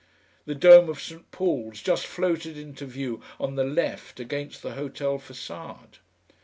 The dome of St. Paul's just floated into view on the left against the hotel facade.